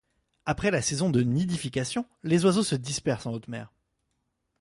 Après la saison de nidification, les oiseaux se dispersent en haute mer.